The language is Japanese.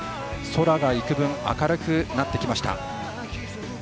空が幾分明るくなってきました。